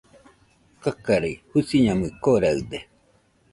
Kakarei, Jusiñamui koraɨde